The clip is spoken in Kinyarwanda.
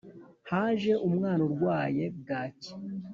Haje umwana urwaye bwaki